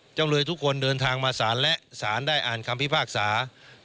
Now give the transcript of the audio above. จำเลยทุกคนเดินทางมาศาลและสารได้อ่านคำพิพากษา